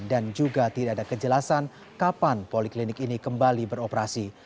dan juga tidak ada kejelasan kapan poliklinik ini kembali beroperasi